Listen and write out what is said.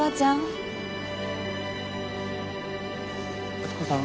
敦子さん。